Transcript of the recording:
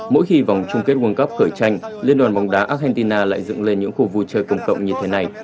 mỗi khi vòng chung kết world cup khởi tranh liên đoàn bóng đá argentina lại dựng lên những khu vui chơi công cộng như thế này